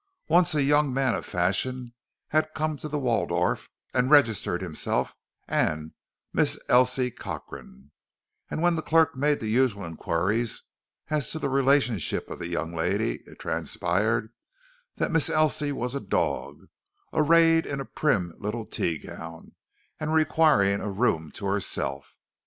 Once a young man of fashion had come to the Waldorf and registered himself and "Miss Elsie Cochrane"; and when the clerk made the usual inquiries as to the relationship of the young lady, it transpired that Miss Elsie was a dog, arrayed in a prim little tea gown, and requiring a room to herself.